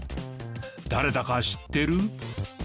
誰だか知ってる？